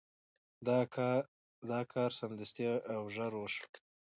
دا کار سمدستي او ژر وشو.